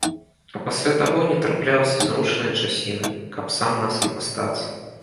А пасля таго не траплялася зручнае часіны, каб сам-насам астацца.